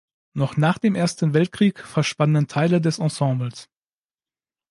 Noch nach dem Ersten Weltkrieg verschwanden Teile des Ensembles.